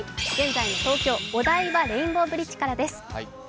現在の東京・お台場レインボーブリッジからです。